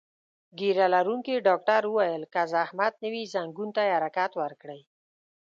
ږیره لرونکي ډاکټر وویل: که زحمت نه وي، ځنګون ته یې حرکت ورکړئ.